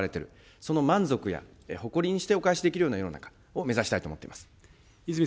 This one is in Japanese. その満足や、誇りにしてお返しできるような世の中を目指したいと思っています。